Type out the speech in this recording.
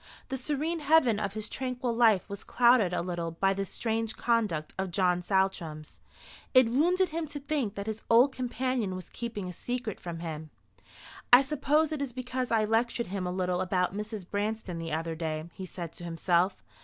The serene heaven of his tranquil life was clouded a little by this strange conduct of John Saltram's. It wounded him to think that his old companion was keeping a secret from him. "I suppose it is because I lectured him a little about Mrs. Branston the other day," he said to himself.